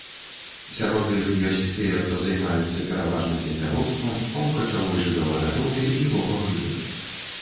Сярод іх ёсць тыя, хто займаюцца пераважна земляробствам, паўкачавой жывёлагадоўляй і ловам рыбы.